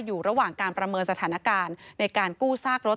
อยู่ระหว่างการประเมินสถานการณ์ในการกู้ซากรถ